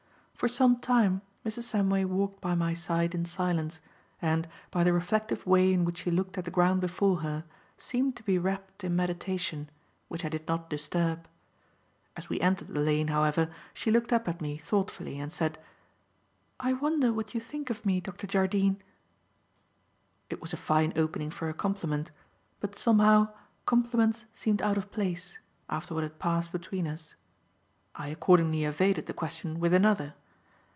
For some time Mrs. Samway walked by my side in silence, and, by the reflective way in which she looked at the ground before her, seemed to be wrapped in meditation, which I did not disturb. As we entered the lane, however, she looked up at me thoughtfully and said: "I wonder what you think of me, Dr. Jardine." It was a fine opening for a compliment, but somehow, compliments seemed out of place, after what had passed between us. I accordingly evaded the question with another.